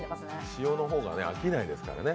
塩の方が飽きないですからね。